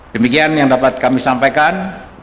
demikian yang dapat kami sampaikan